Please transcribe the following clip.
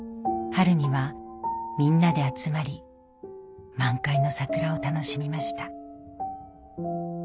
春にはみんなで集まり満開の桜を楽しみました